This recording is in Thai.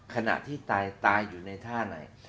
ขณะที่ตายตายอยู่ในท่าไหน